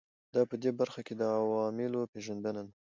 دا په دې برخه کې د عواملو پېژندنه ده.